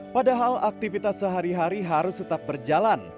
padahal aktivitas sehari hari harus tetap berjalan